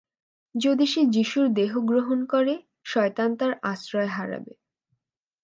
যদি সে যিশুর দেহ গ্রহণ করে, শয়তান তার আশ্রয় হারাবে।